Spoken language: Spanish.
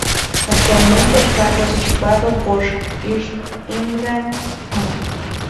Actualmente, el cargo es ocupado por Imran Khan.